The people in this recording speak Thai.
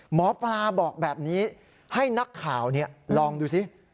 หมอปลาบอกแบบนี้ให้นักข่าวลองดูสิ